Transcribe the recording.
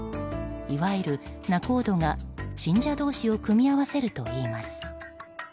いわゆる仲人が信者同士を組みわせるといいます。